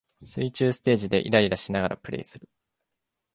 水中ステージでイライラしながらプレイする